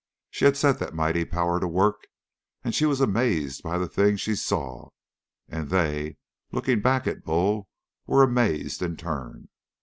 She had set that mighty power to work, and she was amazed by the thing she saw. And they, looking back at Bull, were amazed in turn.